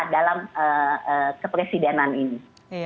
dalam kepresidenan ini